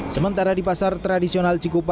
sementara di pasar tradisional cikupa